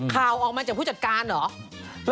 ข่าวออกมาจากผู้จัดการเหรอ